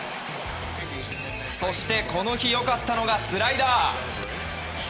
そして、この日良かったのがスライダー。